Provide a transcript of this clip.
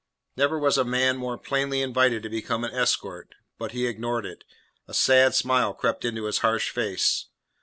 Never was a man more plainly invited to become an escort; but he ignored it. A sad smile crept into his harsh face.